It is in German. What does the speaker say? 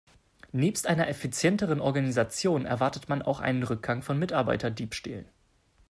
Nebst einer effizienteren Organisation erwartet man auch einen Rückgang von Mitarbeiterdiebstählen.